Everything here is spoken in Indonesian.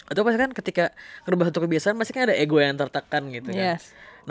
itu pasti kan ketika mengubah satu kebiasaan pasti kan ada ego yang tertekan gitu kan